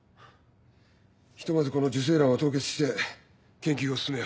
ひとまずこの受精卵は凍結して研究を進めよう。